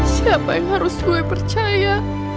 siapa yang harus kue percaya